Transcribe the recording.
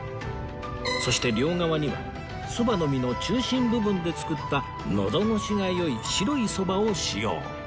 そして両側にはそばの実の中心部分で作ったのど越しが良い白いそばを使用